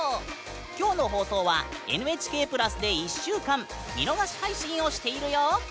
きょうの放送はＮＨＫプラスで１週間見逃し配信をしているよ。